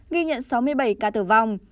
ghi nhận sáu mươi bảy ca tử vong